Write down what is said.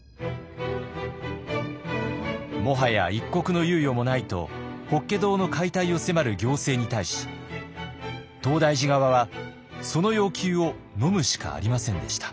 もはや一刻の猶予もないと法華堂の解体を迫る行政に対し東大寺側はその要求をのむしかありませんでした。